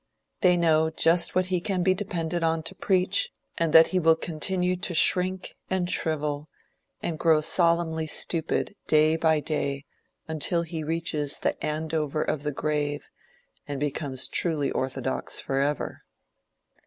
They know just what he can be depended on to preach, and that he will continue to shrink and shrivel, and grow solemnly stupid day by day until he reaches the Andover of the grave and becomes truly orthodox forever.